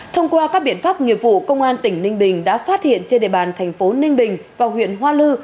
thông qua các biện pháp nghiệp vụ công an tỉnh ninh bình đã phát hiện trên địa bàn thành phố ninh bình và huyện hoa lư